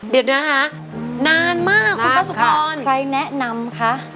เดี๋ยวหน้านานมากคุณป้าสุภรใครแนะนำคะ